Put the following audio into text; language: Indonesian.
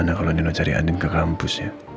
tapi gmn kalo nino cari andin ke kampus ya